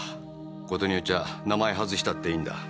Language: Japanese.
ことによっちゃ名前外したっていいんだ。